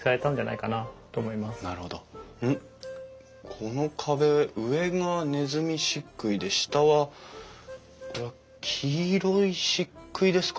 この壁上がねずみ漆喰で下はこれは黄色い漆喰ですか？